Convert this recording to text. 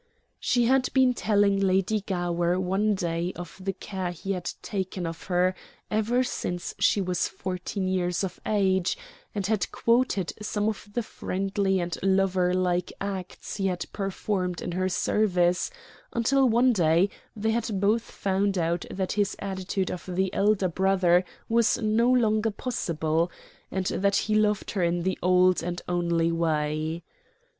She had been telling Lady Gower one day of the care he had taken of her ever since she was fourteen years of age, and had quoted some of the friendly and loverlike acts he had performed in her service, until one day they had both found out that his attitude of the elder brother was no longer possible, and that he loved her in the old and only way.